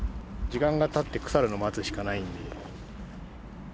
時間がたって腐るの待つしかないんで。